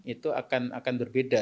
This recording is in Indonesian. itu akan berbeda